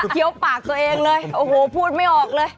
เคี้ยวปากตัวเองเลยพูดไม่ออกเลย